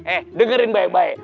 eh dengerin baik baik